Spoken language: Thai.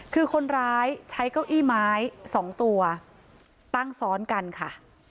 คือคนร้ายใช้เก้าอี้ไม้๒ตัวตั้งซ้อนกันค่ะ